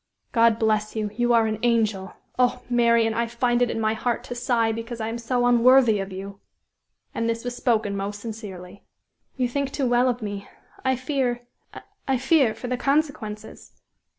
"God bless you; you are an angel! Oh! Marian! I find it in my heart to sigh because I am so unworthy of you!" And this was spoken most sincerely. "You think too well of me. I fear I fear for the consequences."